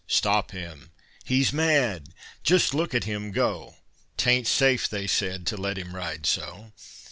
"Stop him! he's mad! just look at him go! 'Tain't safe," they said, "to let him ride so."